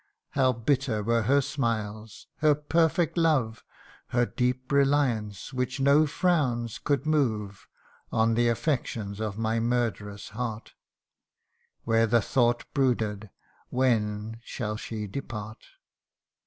How bitter were her smiles her perfect love Her deep reliance, which no frowns could move, 114 THE UNDYING ONE. On the affections of my murderous heart, Where the thought brooded, when shall she depart